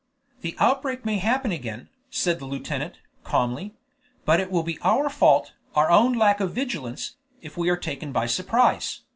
"The outbreak may happen again," said the lieutenant, calmly; "but it will be our fault, our own lack of vigilance, if we are taken by surprise."